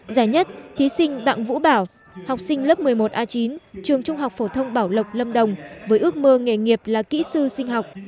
giải nhất thí sinh đặng vũ bảo học sinh lớp một mươi một a chín trường trung học phổ thông bảo lộc lâm đồng với ước mơ nghề nghiệp là kỹ sư sinh học